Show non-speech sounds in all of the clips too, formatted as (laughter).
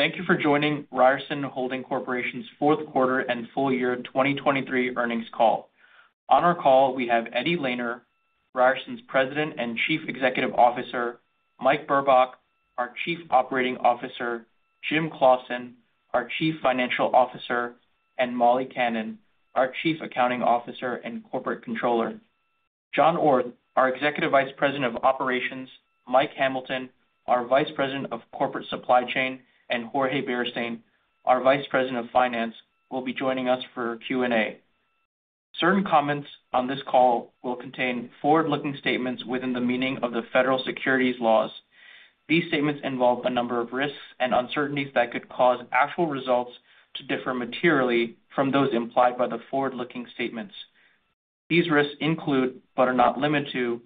Thank you for joining Ryerson Holding Corporation's fourth quarter and full year 2023 earnings call. On our call, we have Eddie Lehner, Ryerson's President and Chief Executive Officer, Mike Burbach, our Chief Operating Officer, Jim Claussen, our Chief Financial Officer, and Molly Kannan, our Chief Accounting Officer and Corporate Controller. John Orth, our Executive Vice President of Operations, Mike Hamilton, our Vice President of Corporate Supply Chain, and Jorge Beristain, our Vice President of Finance, will be joining us for Q&A. Certain comments on this call will contain forward-looking statements within the meaning of the federal securities laws. These statements involve a number of risks and uncertainties that could cause actual results to differ materially from those implied by the forward-looking statements. These risks include but are not limited to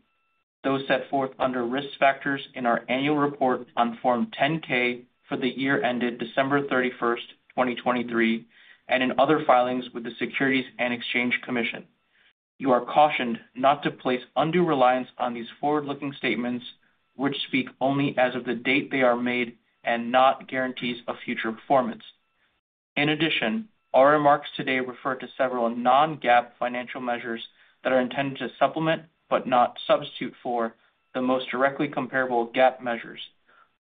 those set forth under risk factors in our annual report on Form 10-K for the year ended December 31st, 2023, and in other filings with the Securities and Exchange Commission. You are cautioned not to place undue reliance on these forward-looking statements, which speak only as of the date they are made and are not guarantees of future performance. In addition, our remarks today refer to several non-GAAP financial measures that are intended to supplement but not substitute for the most directly comparable GAAP measures.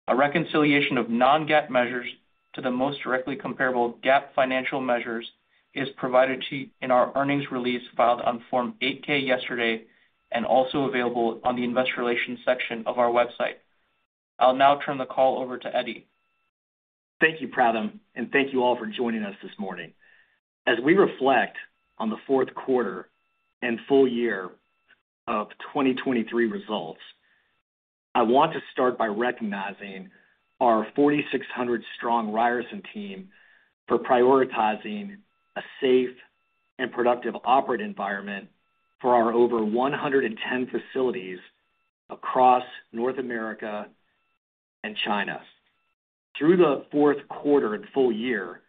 A reconciliation of non-GAAP measures to the most directly comparable GAAP financial measures is provided to you in our earnings release filed on Form 8-K yesterday and also available on the Investor Relations section of our website. I'll now turn the call over to Eddie. Thank you, Pratham, and thank you all for joining us this morning. As we reflect on the fourth quarter and full year of 2023 results, I want to start by recognizing our 4,600-strong Ryerson team for prioritizing a safe and productive operating environment for our over 110 facilities across North America and China. Through the fourth quarter and full year,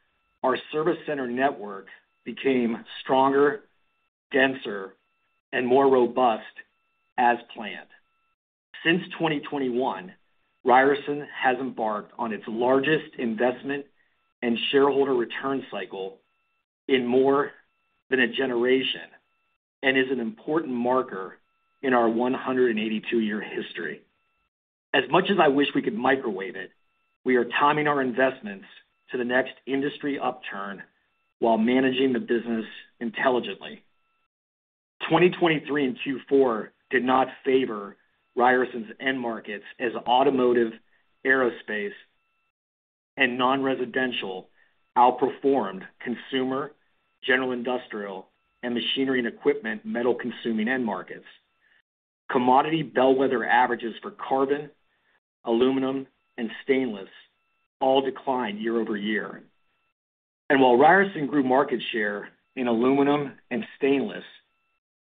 our service center network became stronger, denser, and more robust as planned. Since 2021, Ryerson has embarked on its largest investment and shareholder return cycle in more than a generation and is an important marker in our 182-year history. As much as I wish we could microwave it, we are timing our investments to the next industry upturn while managing the business intelligently. 2023 and Q4 did not favor Ryerson's end markets as automotive, aerospace, and non-residential outperformed consumer, general industrial, and machinery and equipment metal-consuming end markets. Commodity bellwether averages for carbon, aluminum, and stainless all declined year-over-year. While Ryerson grew market share in aluminum and stainless,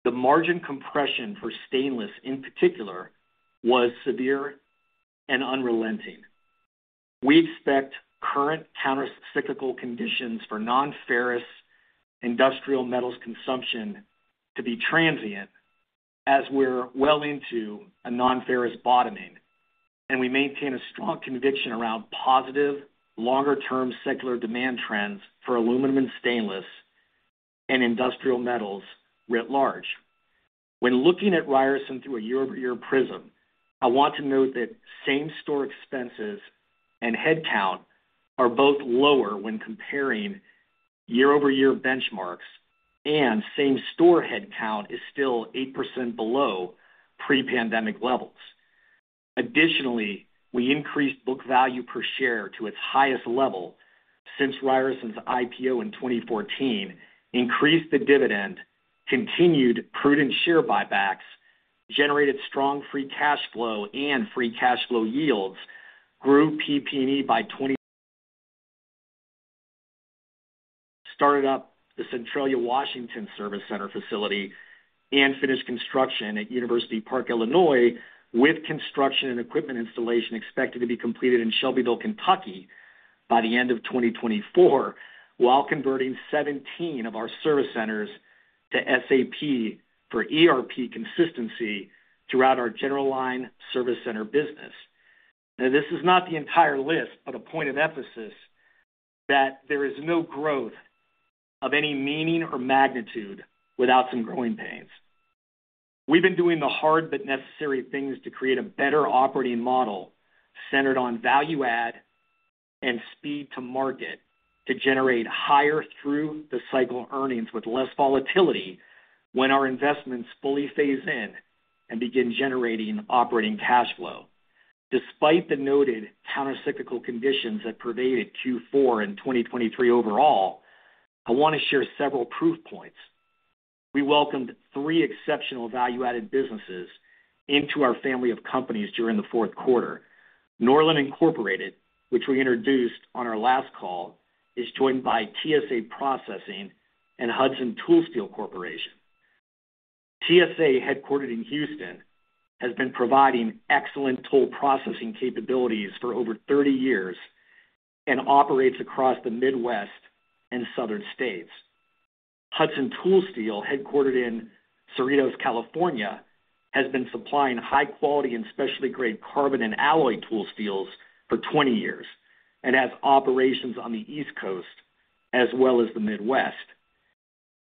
the margin compression for stainless in particular was severe and unrelenting. We expect current countercyclical conditions for non-ferrous industrial metals consumption to be transient as we're well into a non-ferrous bottoming, and we maintain a strong conviction around positive longer-term secular demand trends for aluminum and stainless and industrial metals writ large. When looking at Ryerson through a year-over-year prism, I want to note that same-store expenses and headcount are both lower when comparing year-over-year benchmarks, and same-store headcount is still 8% below pre-pandemic levels. Additionally, we increased book value per share to its highest level since Ryerson's IPO in 2014, increased the dividend, continued prudent share buybacks, generated strong free cash flow and free cash flow yields, grew PP&E by. (audio distortion) Started up the Centralia, Washington service center facility and finished construction at University Park, Illinois, with construction and equipment installation expected to be completed in Shelbyville, Kentucky, by the end of 2024 while converting 17 of our service centers to SAP for general line service center business. Now, this is not the entire list, but a point of emphasis that there is no growth of any meaning or magnitude without some growing pains. We've been doing the hard but necessary things to create a better operating model centered on value add and speed to market to generate higher through-the-cycle earnings with less volatility when our investments fully phase in and begin generating operating cash flow. Despite the noted countercyclical conditions that pervaded Q4 and 2023 overall, I want to share several proof points. We welcomed three exceptional value-added businesses into our family of companies during the fourth quarter. Norlen Incorporated, which we introduced on our last call, is joined by TSA Processing and Hudson Tool Steel Corporation. TSA, headquartered in Houston, has been providing excellent toll processing capabilities for over 30 years and operates across the Midwest and southern states. Hudson Tool Steel, headquartered in Cerritos, California, has been supplying high-quality and specialty grade carbon and alloy tool steels for 20 years and has operations on the East Coast as well as the Midwest.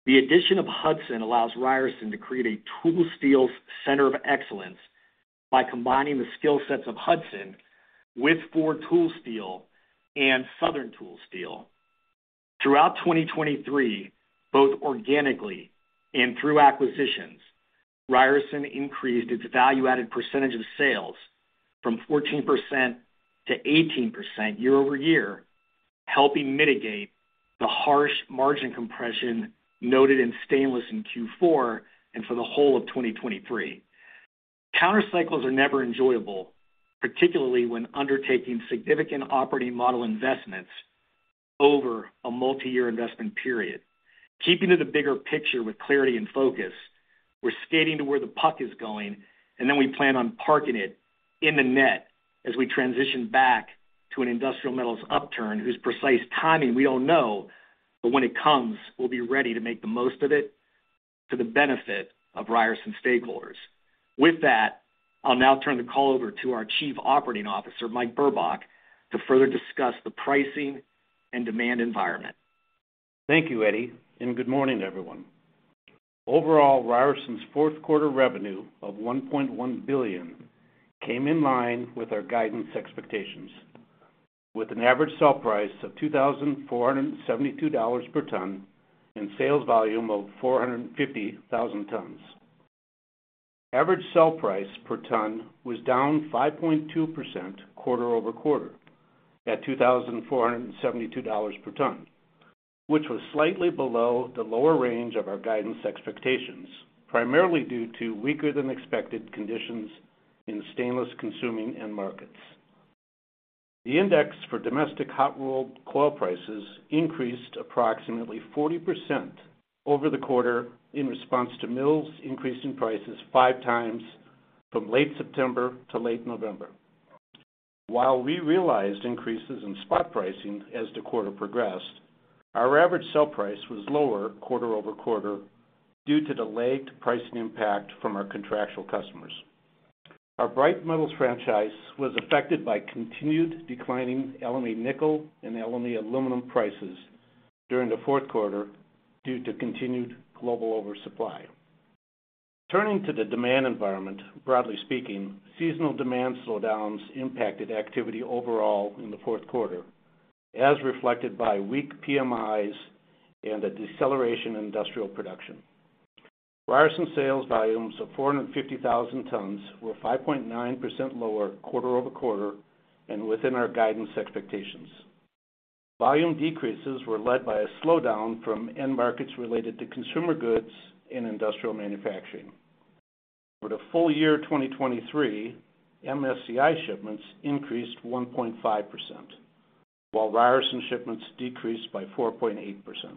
The addition of Hudson allows Ryerson to create a tool steels center of excellence by combining the skill sets of Hudson with Ford Tool Steels and Southern Tool Steel. Throughout 2023, both organically and through acquisitions, Ryerson increased its value-added percentage of sales from 14% to 18% year-over-year, helping mitigate the harsh margin compression noted in stainless in Q4 and for the whole of 2023. Countercycles are never enjoyable, particularly when undertaking significant operating model investments over a multi-year investment period. Keeping to the bigger picture with clarity and focus, we're skating to where the puck is going, and then we plan on parking it in the net as we transition back to an industrial metals upturn whose precise timing we don't know, but when it comes, we'll be ready to make the most of it to the benefit of Ryerson stakeholders. With that, I'll now turn the call over to our Chief Operating Officer, Mike Burbach, to further discuss the pricing and demand environment. Thank you, Eddie, and good morning, everyone. Overall, Ryerson's fourth quarter revenue of $1.1 billion came in line with our guidance expectations, with an average sell price of $2,472 per ton and sales volume of 450,000 tons. Average sell price per ton was down 5.2% quarter-over-quarter at $2,472 per ton, which was slightly below the lower range of our guidance expectations, primarily due to weaker-than-expected conditions in stainless-consuming end markets. The index for domestic hot-rolled coil prices increased approximately 40% over the quarter in response to mills increasing prices five times from late September to late November. While we realized increases in spot pricing as the quarter progressed, our average sell price was lower quarter-over-quarter due to delayed pricing impact from our contractual customers. Our bright metals franchise was affected by continued declining aluminum, nickel, and aluminum prices during the fourth quarter due to continued global oversupply. Turning to the demand environment, broadly speaking, seasonal demand slowdowns impacted activity overall in the fourth quarter, as reflected by weak PMIs and a deceleration in industrial production. Ryerson sales volumes of 450,000 tons were 5.9% lower quarter-over-quarter and within our guidance expectations. Volume decreases were led by a slowdown from end markets related to consumer goods and industrial manufacturing. Over the full year 2023, MSCI shipments increased 1.5%, while Ryerson shipments decreased by 4.8%. The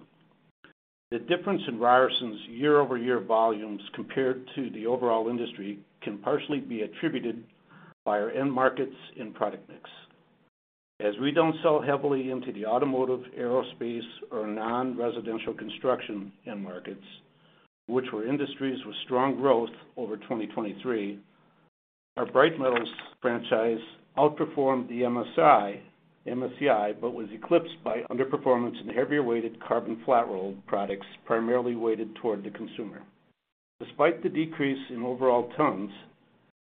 difference in Ryerson's year-over-year volumes compared to the overall industry can partially be attributed by our end markets and product mix. As we don't sell heavily into the automotive, aerospace, or non-residential construction end markets, which were industries with strong growth over 2023, our bright metals franchise outperformed the MSCI but was eclipsed by underperformance in heavier-weighted carbon flat-rolled products, primarily weighted toward the consumer. Despite the decrease in overall tons,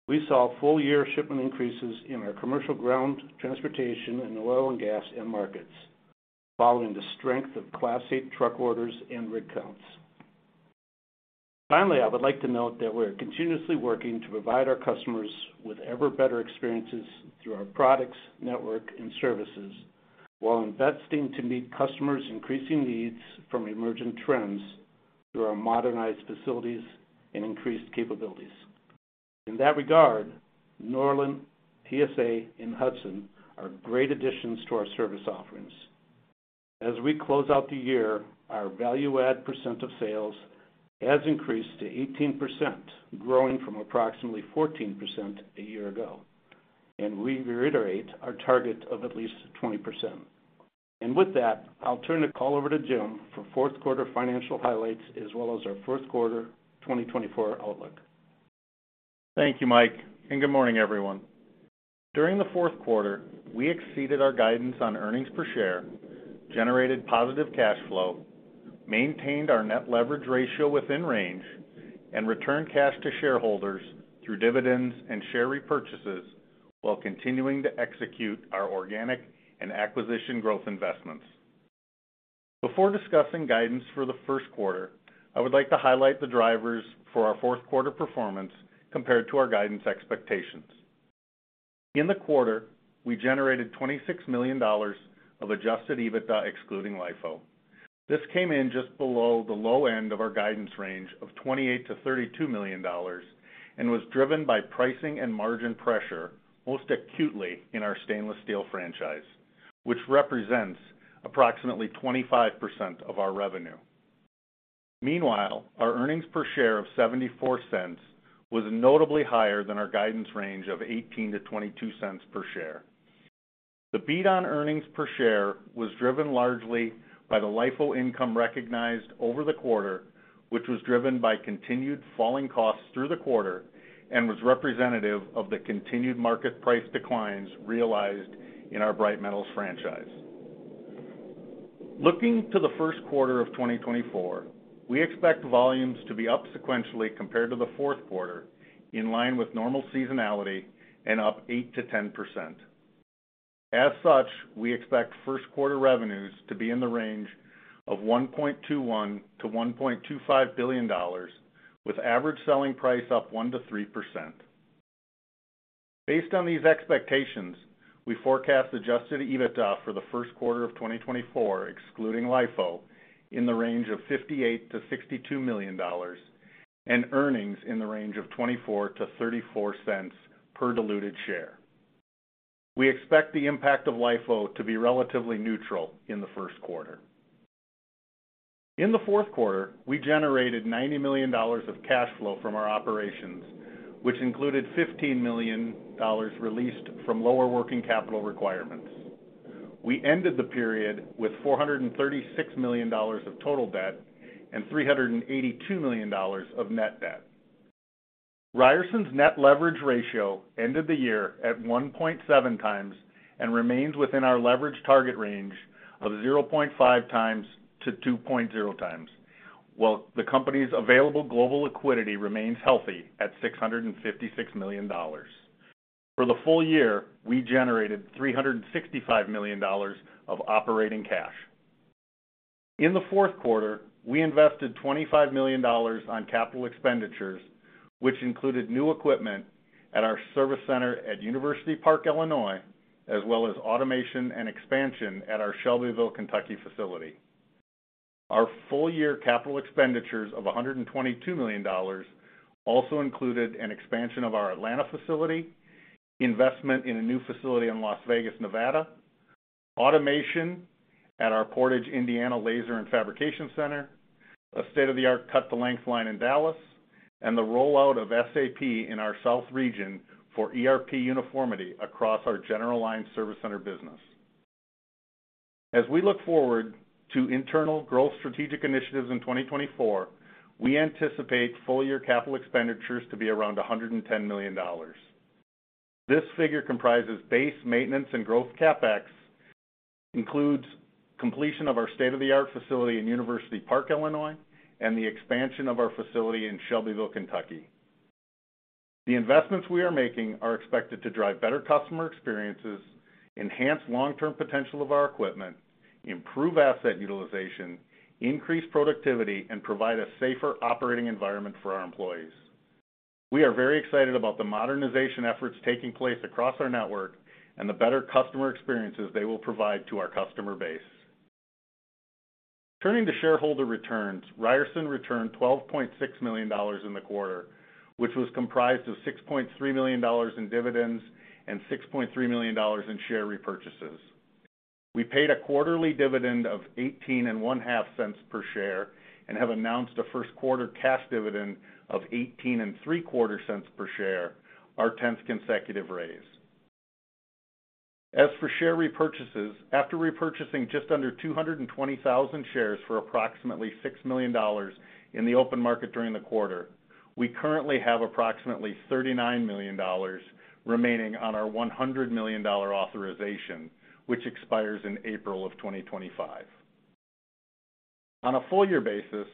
we saw full-year shipment increases in our commercial ground transportation, and oil and gas end markets, following the strength of Class 8 truck orders and rig counts. Finally, I would like to note that we're continuously working to provide our customers with ever-better experiences through our products, network, and services, while investing to meet customers' increasing needs from emerging trends through our modernized facilities and increased capabilities. In that regard, Norlen, TSA, and Hudson are great additions to our service offerings. As we close out the year, our value-add percent of sales has increased to 18%, growing from approximately 14% a year ago, and we reiterate our target of at least 20%. With that, I'll turn the call over to Jim for fourth quarter financial highlights as well as our fourth quarter 2024 outlook. Thank you, Mike, and good morning, everyone. During the fourth quarter, we exceeded our guidance on earnings per share, generated positive cash flow, maintained our net leverage ratio within range, and returned cash to shareholders through dividends and share repurchases while continuing to execute our organic and acquisition growth investments. Before discussing guidance for the first quarter, I would like to highlight the drivers for our fourth quarter performance compared to our guidance expectations. In the quarter, we generated $26 million of adjusted EBITDA excluding LIFO. This came in just below the low end of our guidance range of $28 million-$32 million and was driven by pricing and margin pressure most acutely in our stainless steel franchise, which represents approximately 25% of our revenue. Meanwhile, our earnings per share of $0.74 was notably higher than our guidance range of $0.18-$0.22 per share. The beat on earnings per share was driven largely by the LIFO income recognized over the quarter, which was driven by continued falling costs through the quarter and was representative of the continued market price declines realized in our bright metals franchise. Looking to the first quarter of 2024, we expect volumes to be up sequentially compared to the fourth quarter in line with normal seasonality and up 8%-10%. As such, we expect first quarter revenues to be in the range of $1.21 billion-$1.25 billion, with average selling price up 1%-3%. Based on these expectations, we forecast adjusted EBITDA for the first quarter of 2024 excluding LIFO in the range of $58 million-$62 million and earnings in the range of $0.24-$0.34 per diluted share. We expect the impact of LIFO to be relatively neutral in the first quarter. In the fourth quarter, we generated $90 million of cash flow from our operations, which included $15 million released from lower working capital requirements. We ended the period with $436 million of total debt and $382 million of net debt. Ryerson's net leverage ratio ended the year at 1.7x and remains within our leverage target range of 0.5x-2.0x, while the company's available global liquidity remains healthy at $656 million. For the full year, we generated $365 million of operating cash. In the fourth quarter, we invested $25 million on capital expenditures, which included new equipment at our service center at University Park, Illinois, as well as automation and expansion at our Shelbyville, Kentucky facility. Our full-year capital expenditures of $122 million also included an expansion of our Atlanta facility, investment in a new facility in Las Vegas, Nevada, automation at our Portage, Indiana, laser and fabrication center, a state-of-the-art cut-to-length line in Dallas, and the rollout of SAP in our south region for general line service center business. As we look forward to internal growth strategic initiatives in 2024, we anticipate full-year capital expenditures to be around $110 million. This figure comprises base, maintenance, and growth CapEx, includes completion of our state-of-the-art facility in University Park, Illinois, and the expansion of our facility in Shelbyville, Kentucky. The investments we are making are expected to drive better customer experiences, enhance long-term potential of our equipment, improve asset utilization, increase productivity, and provide a safer operating environment for our employees. We are very excited about the modernization efforts taking place across our network and the better customer experiences they will provide to our customer base. Turning to shareholder returns, Ryerson returned $12.6 million in the quarter, which was comprised of $6.3 million in dividends and $6.3 million in share repurchases. We paid a quarterly dividend of $0.185 per share and have announced a first quarter cash dividend of $0.1875 per share, our 10th consecutive raise. As for share repurchases, after repurchasing just under 220,000 shares for approximately $6 million in the open market during the quarter, we currently have approximately $39 million remaining on our $100 million authorization, which expires in April of 2025. On a full-year basis,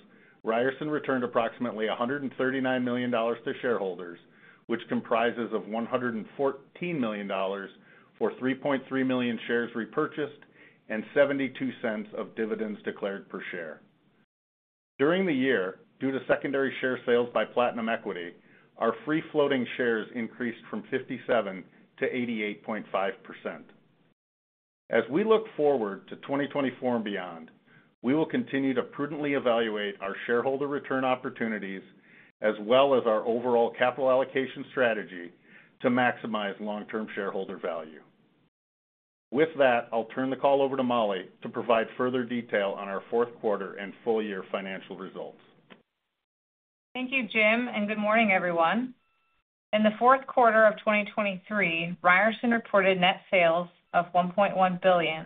Ryerson returned approximately $139 million to shareholders, which comprises of $114 million for 3.3 million shares repurchased and $0.72 of dividends declared per share. During the year, due to secondary share sales by Platinum Equity, our free-floating shares increased from 57% to 88.5%. As we look forward to 2024 and beyond, we will continue to prudently evaluate our shareholder return opportunities as well as our overall capital allocation strategy to maximize long-term shareholder value. With that, I'll turn the call over to Molly to provide further detail on our fourth quarter and full-year financial results. Thank you, Jim, and good morning, everyone. In the fourth quarter of 2023, Ryerson reported net sales of $1.1 billion,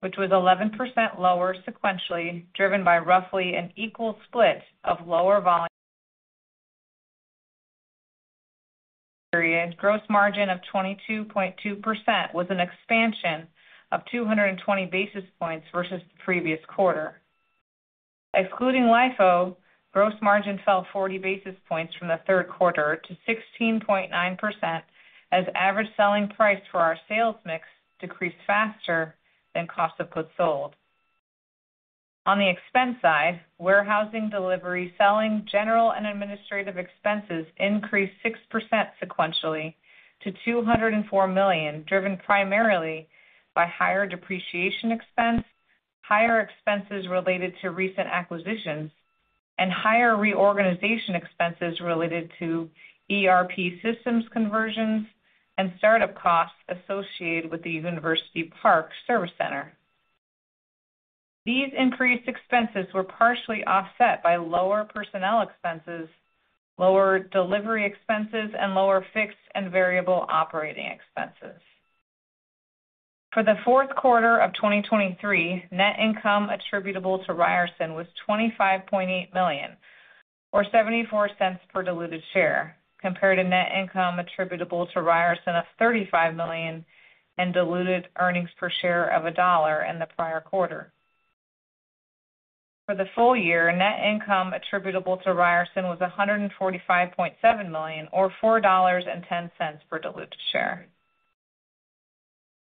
which was 11% lower sequentially, driven by roughly an equal split of lower volume. Gross margin of 22.2% was an expansion of 220 basis points versus the previous quarter. Excluding LIFO, gross margin fell 40 basis points from the third quarter to 16.9% as average selling price for our sales mix decreased faster than cost of goods sold. On the expense side, warehousing, delivery, selling, general and administrative expenses increased 6% sequentially to $204 million, driven primarily by higher depreciation expense, higher expenses related to recent acquisitions, and higher reorganization expenses related to ERP systems conversions and startup costs associated with the University Park service center. These increased expenses were partially offset by lower personnel expenses, lower delivery expenses, and lower fixed and variable operating expenses. For the fourth quarter of 2023, net income attributable to Ryerson was $25.8 million or $0.74 per diluted share compared to net income attributable to Ryerson of $35 million and diluted earnings per share of $1 in the prior quarter. For the full year, net income attributable to Ryerson was $145.7 million or $4.10 per diluted share.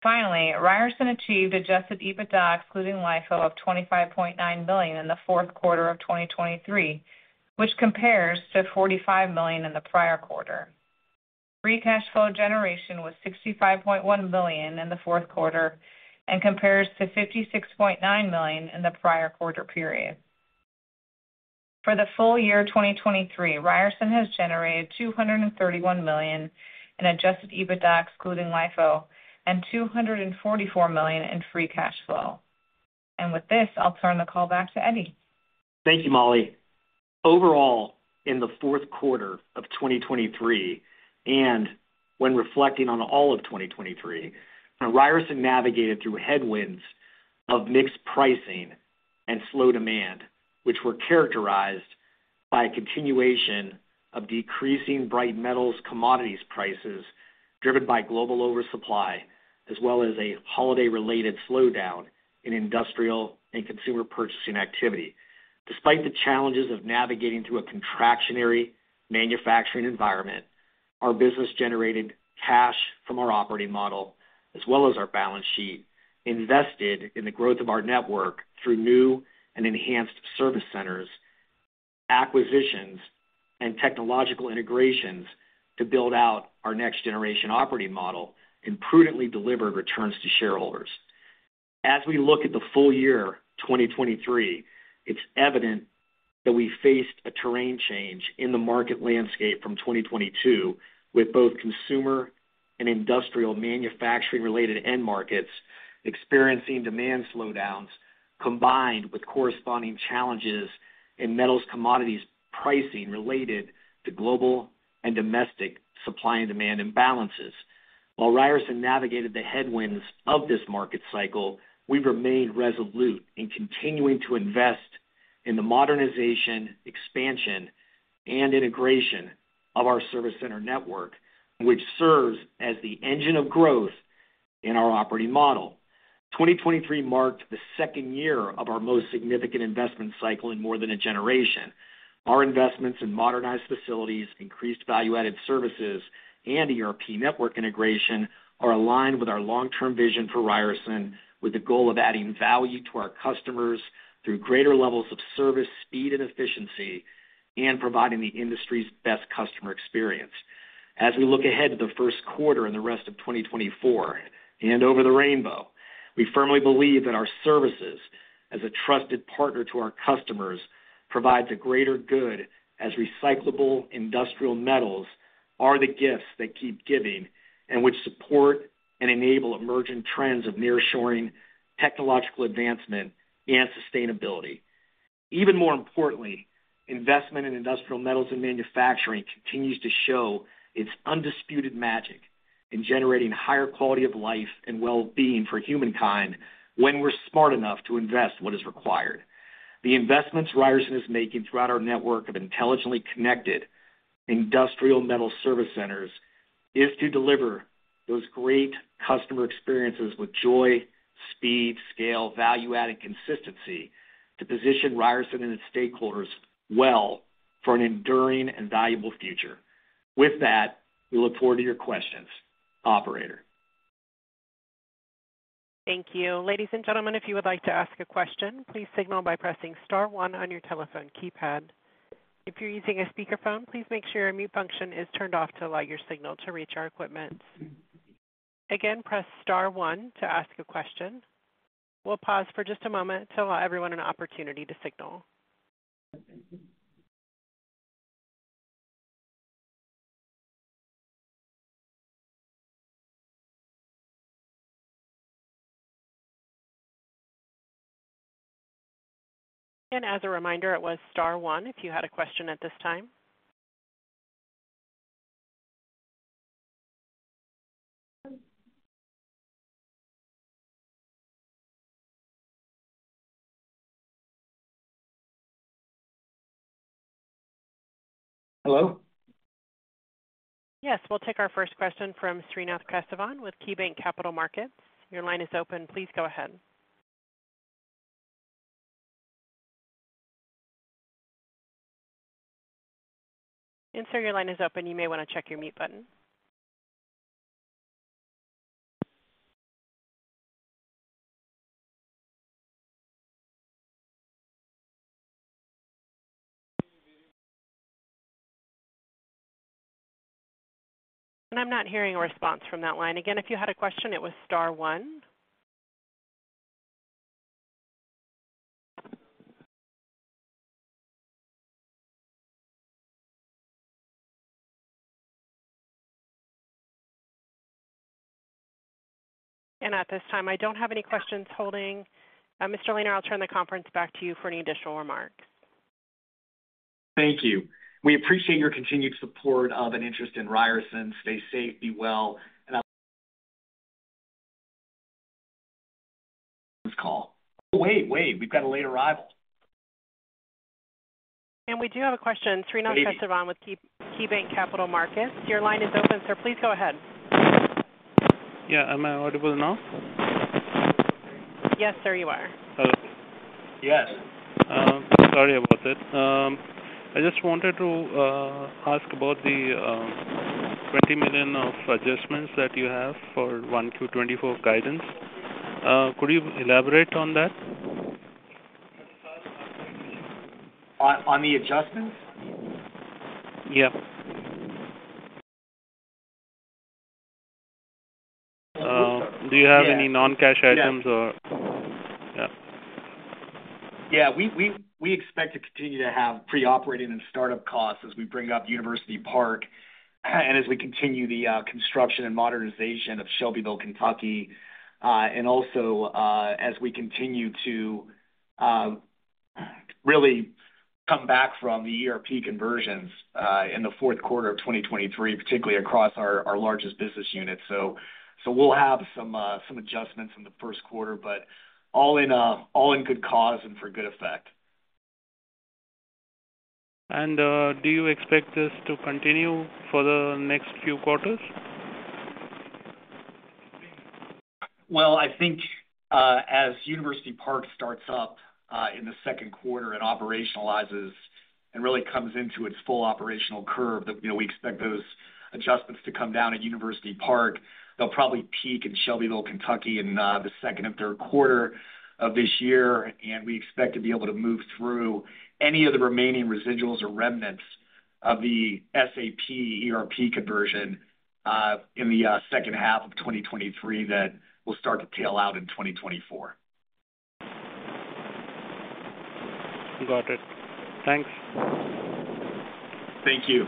Finally, Ryerson achieved adjusted EBITDA excluding LIFO of $25.9 million in the fourth quarter of 2023, which compares to $45 million in the prior quarter. Free cash flow generation was $65.1 million in the fourth quarter and compares to $56.9 million in the prior quarter period. For the full year 2023, Ryerson has generated $231 million in adjusted EBITDA excluding LIFO and $244 million in free cash flow. With this, I'll turn the call back to Eddie. Thank you, Molly. Overall, in the fourth quarter of 2023 and when reflecting on all of 2023, Ryerson navigated through headwinds of mixed pricing and slow demand, which were characterized by a continuation of decreasing bright metals commodities prices driven by global oversupply as well as a holiday-related slowdown in industrial and consumer purchasing activity. Despite the challenges of navigating through a contractionary manufacturing environment, our business generated cash from our operating model as well as our balance sheet, invested in the growth of our network through new and enhanced service centers, acquisitions, and technological integrations to build out our next-generation operating model, and prudently delivered returns to shareholders. As we look at the full year 2023, it's evident that we faced a terrain change in the market landscape from 2022 with both consumer and industrial manufacturing-related end markets experiencing demand slowdowns combined with corresponding challenges in metals commodities pricing related to global and domestic supply and demand imbalances. While Ryerson navigated the headwinds of this market cycle, we've remained resolute in continuing to invest in the modernization, expansion, and integration of our service center network, which serves as the engine of growth in our operating model. 2023 marked the second year of our most significant investment cycle in more than a generation. Our investments in modernized facilities, increased value-added services, and ERP network integration are aligned with our long-term vision for Ryerson with the goal of adding value to our customers through greater levels of service, speed, and efficiency, and providing the industry's best customer experience. As we look ahead to the first quarter and the rest of 2024 and over the rainbow, we firmly believe that our services as a trusted partner to our customers provide the greater good as recyclable industrial metals are the gifts they keep giving and which support and enable emerging trends of nearshoring, technological advancement, and sustainability. Even more importantly, investment in industrial metals and manufacturing continues to show its undisputed magic in generating higher quality of life and well-being for humankind when we're smart enough to invest what is required. The investments Ryerson is making throughout our network of intelligently connected industrial metal service centers is to deliver those great customer experiences with joy, speed, scale, value-adding consistency to position Ryerson and its stakeholders well for an enduring and valuable future. With that, we look forward to your questions, operator. Thank you. Ladies and gentlemen, if you would like to ask a question, please signal by pressing star one on your telephone keypad. If you're using a speakerphone, please make sure your mute function is turned off to allow your signal to reach our equipment. Again, press star one to ask a question. We'll pause for just a moment to allow everyone an opportunity to signal. As a reminder, it was star one if you had a question at this time. Hello? Yes. We'll take our first question from [Srinath Kastavan] with KeyBanc Capital Markets. Your line is open. Please go ahead. And sir, your line is open. You may want to check your mute button. And I'm not hearing a response from that line. Again, if you had a question, it was star one. And at this time, I don't have any questions holding. Mr. Lehner, I'll turn the conference back to you for any additional remarks. Thank you. We appreciate your continued support of and interest in Ryerson. Stay safe, be well, and I'll call. Oh, wait, wait. We've got a late arrival. We do have a question. [Srinath Kastavan] with KeyBanc Capital Markets. Your line is open, sir. Please go ahead. Yeah. Am I audible now? Yes, sir, you are. Oh. Yes. Sorry about it. I just wanted to ask about the $20 million of adjustments that you have for 1Q 2024 guidance. Could you elaborate on that? On the adjustments? Yeah. Do you have any non-cash items or? Yeah. Yeah. We expect to continue to have pre-operating and startup costs as we bring up University Park and as we continue the construction and modernization of Shelbyville, Kentucky, and also as we continue to really come back from the ERP conversions in the fourth quarter of 2023, particularly across our largest business unit. So we'll have some adjustments in the first quarter, but all in good cause and for good effect. Do you expect this to continue for the next few quarters? Well, I think as University Park starts up in the second quarter and operationalizes and really comes into its full operational curve, we expect those adjustments to come down at University Park. They'll probably peak in Shelbyville, Kentucky, in the second and third quarter of this year. We expect to be able to move through any of the remaining residuals or remnants of the SAP ERP conversion in the second half of 2023 that will start to tail out in 2024. Got it. Thanks. Thank you.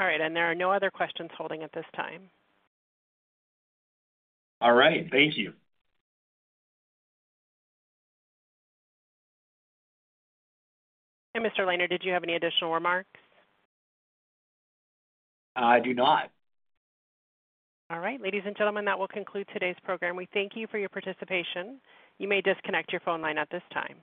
All right. And there are no other questions holding at this time. All right. Thank you. Mr. Lehner, did you have any additional remarks? I do not. All right. Ladies and gentlemen, that will conclude today's program. We thank you for your participation. You may disconnect your phone line at this time.